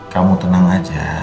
kamu tenang aja